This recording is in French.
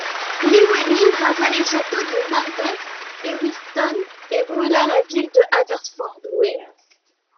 Llywelyn rasa les châteaux de Narberth et Wiston et brûla la ville de Haverfordwest.